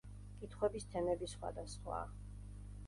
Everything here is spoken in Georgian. კითხვების თემები სხვადასხვაა.